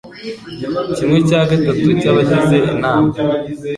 kimwe cya gatatu cy’ abagize inama